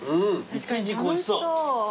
イチジクおいしそう。